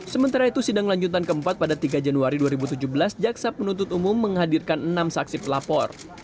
sementara itu sidang lanjutan keempat pada tiga januari dua ribu tujuh belas jaksa penuntut umum menghadirkan enam saksi pelapor